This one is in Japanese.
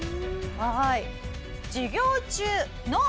はい。